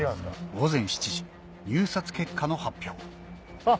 午前７時入札結果の発表あっ